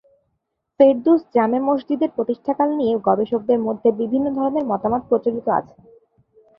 ফেরদৌস জামে মসজিদের প্রতিষ্ঠাকাল নিয়ে গবেষকদের মধ্যে বিভিন্ন ধরনের মতামত প্রচলিত আছে।